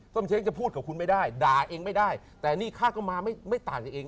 เช้งจะพูดกับคุณไม่ได้ด่าเองไม่ได้แต่นี่ข้าก็มาไม่ต่างกันเอง